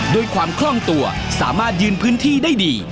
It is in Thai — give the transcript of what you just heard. ด้วยความคล่องตัวสามารถยืนพื้นที่ได้ดี